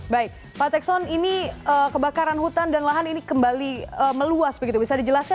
baik pak tekson ini kebakaran hutan dan lahan ini kembali meluas begitu bisa dijelaskan